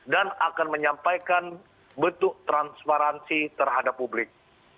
dan akan menyampaikan bentuk transparansi terhadap publik